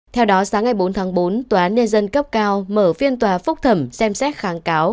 theo đó sáng ngày bốn tháng bốn tòa án nhân dân cấp cao mở phiên tòa phúc thẩm xem xét kháng cáo